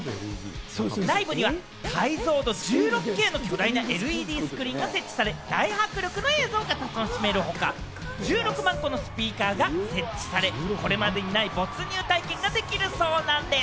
内部には解像度１６Ｋの巨大なＬＥＤスクリーンが設置され、大迫力の映像が楽しめるほか、１６万個のスピーカーが設置され、これまでにない没入体験ができるそうなんです。